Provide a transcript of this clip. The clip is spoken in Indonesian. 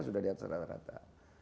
sudah di atas rata rata